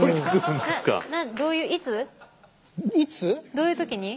どういう時に？